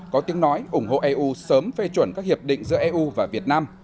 có tiếng nói ủng hộ eu sớm phê chuẩn các hiệp định giữa eu và việt nam